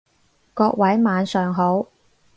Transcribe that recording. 各位晚上好